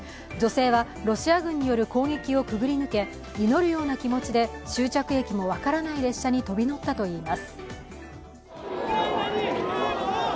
女性はロシア軍による攻撃をくぐり抜け祈るような気持ちで終着駅も分からない列車に飛び乗ったといいます。